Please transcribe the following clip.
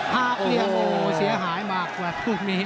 หาเหลี่ยมโอ้โหเสียหายมากกว่าตรงนี้